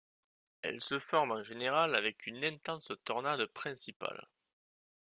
Elles se forment en général avec une intense tornade principale.